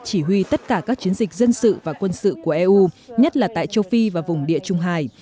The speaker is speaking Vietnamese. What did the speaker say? chỉ huy tất cả các chiến dịch dân sự và quân sự của eu nhất là tại châu phi và vùng địa trung hải